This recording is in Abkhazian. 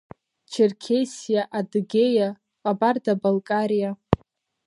Черкессиа, Адыгеиа, Ҟабарда-Балкариа.